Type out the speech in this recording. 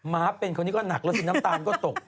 ม้าเป็นคนนี้ก็หนักแล้วสิน้ำตาลก็ตก